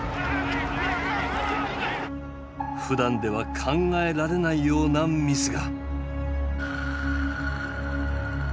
ふだんでは考えられないようなミスが。